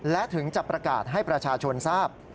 และถึงจะประกาศให้ประชาชนทราบ